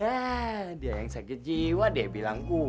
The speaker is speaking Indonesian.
hah dia yang sakit jiwa deh bilang gue